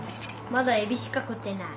まだえびしか食ってない。